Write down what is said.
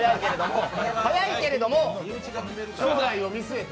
早いけれども将来を見据えて？